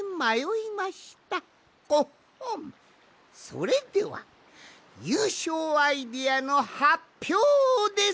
それではゆうしょうアイデアのはっぴょうです。